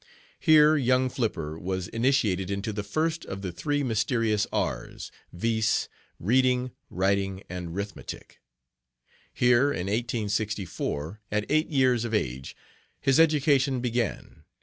Here young Flipper was initiated into the first of the three mysterious R's, viz., "reading 'riting and 'rithmetic." Here, in 1864, at eight years of age, his education began.